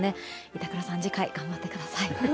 板倉さん、次回頑張ってください。